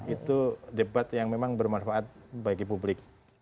itu debat yang memang bermanfaat bagi publik